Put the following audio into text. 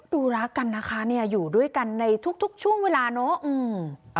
ดูรักกันนะคะเนี่ยอยู่ด้วยกันในทุกช่วงเวลาเนอะ